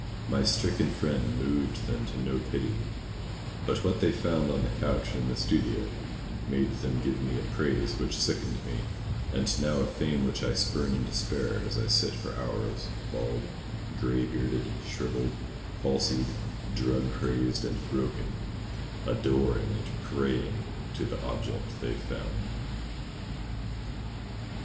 My stricken friend moved them to no pity, but what they found on the couch in the studio made them give me a praise which sickened me, and now a fame which I spurn in despair as I sit for hours, bald, grey bearded, shrivelled, palsied, drug crazed, and broken, adoring and praying to the object they found.